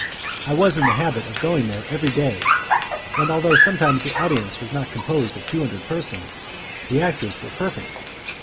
I was in the habit of going there every day, and although sometimes the audience was not composed of two hundred persons, the actors were perfect.